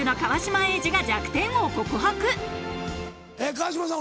川島さん